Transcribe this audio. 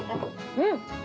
うん！